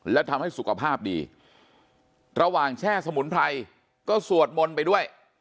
แล้วทำให้สุขภาพดีระหว่างแช่สมุนไพรก็สวดมนต์ไปด้วย